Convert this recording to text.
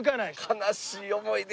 悲しい思い出。